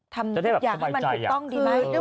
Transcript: ทำตัวอย่างให้มันถูกต้องสมัยใจอะ